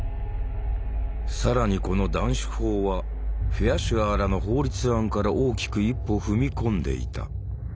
更にこの「断種法」はフェアシュアーらの法律案から大きく一歩踏み込んでいた。